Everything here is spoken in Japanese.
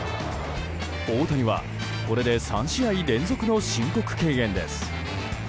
大谷は、これで３試合連続の申告敬遠です。